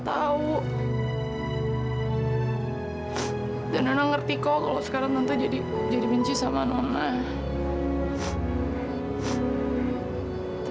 gue yakin pasti dia nelfon gue cuma mau ngerayu deh